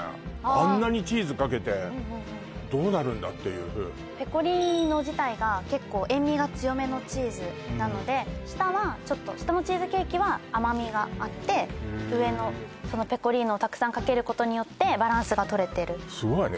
あんなにチーズかけてどうなるんだっていうペコリーノ自体が結構塩味が強めのチーズなので下はちょっと下のチーズケーキは甘みがあって上のそのペコリーノをたくさんかけることによってバランスがとれてるすごいわね